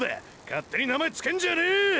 勝手に名前つけんじゃねぇ！！